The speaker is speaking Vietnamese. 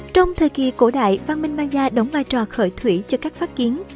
trong thời kỳ cổ đại văn minh maya đóng vai trò khởi thủy cho các phát kiến